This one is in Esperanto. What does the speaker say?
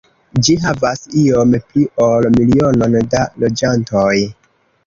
Ĝi havas iom pli ol milionon da loĝantoj.